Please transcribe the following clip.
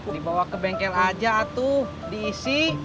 dibawa ke bengkel aja atau diisi